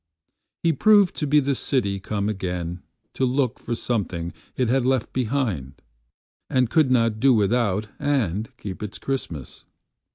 He proved to be the city come againTo look for something it had left behindAnd could not do without and keep its Christmas.